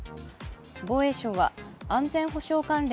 防衛省は安全保障関連